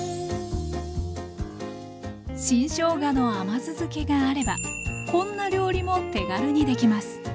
新しょうがの甘酢漬けがあればこんな料理も手軽にできます。